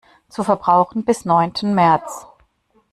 Zu Verbrauchen bis neunten März.